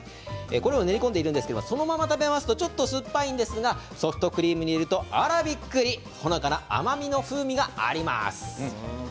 練り込んでいるんですがそのまま食べますとちょっと酸っぱいんですがソフトクリームに入れるとあらびっくりほのかな風味が楽しめます。